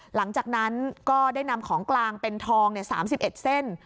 หลังจากนั้นก็ได้นำของกลางเป็นทอง๓๑เส้น